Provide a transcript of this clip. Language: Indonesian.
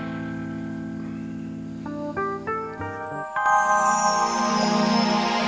aku ingin bh di sini